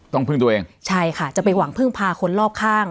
พึ่งตัวเองใช่ค่ะจะไปหวังพึ่งพาคนรอบข้าง